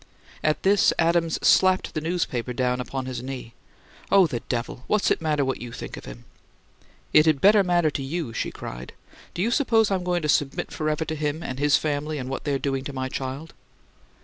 At this, Adams slapped the newspaper down upon his knee. "Oh, the devil! What's it matter what you think of him?" "It had better matter to you!" she cried. "Do you suppose I'm going to submit forever to him and his family and what they're doing to my child?"